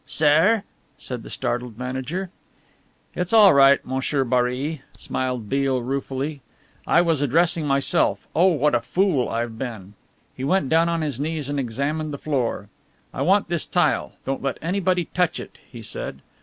"Sare!" said the startled manager. "It's all right, M'sieur Barri," smiled Beale ruefully. "I was addressing myself oh, what a fool I've been!" He went down on his knees and examined the floor. "I want this tile, don't let anybody touch it," he said.